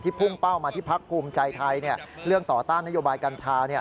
พุ่งเป้ามาที่พักภูมิใจไทยเรื่องต่อต้านนโยบายกัญชา